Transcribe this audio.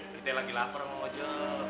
kita lagi lapar mak ojo